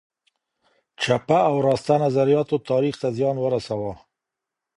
چپه او راسته نظریاتو تاریخ ته زیان ورساوه.